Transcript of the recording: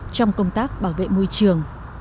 trong công tác bảo vệ môi trường